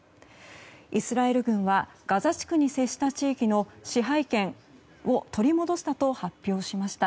イスラエル軍はガザ地区に接した地域の支配権を取り戻したと発表しました。